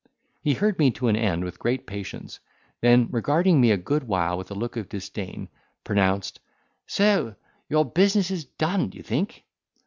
He heard me to an end with great patience, then regarding me a good while with a look of disdain, pronounced, "So your business is done, you think?"